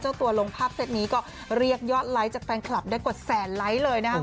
ตัวลงภาพเซ็ตนี้ก็เรียกยอดไลค์จากแฟนคลับได้กว่าแสนไลค์เลยนะครับ